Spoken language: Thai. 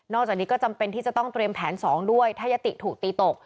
จากนี้ก็จำเป็นที่จะต้องเตรียมแผน๒ด้วยถ้ายติถูกตีตก